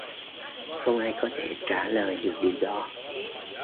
Không ai có thể trả lời được điều đó